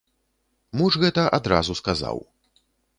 Муж гэта адразу сказаў.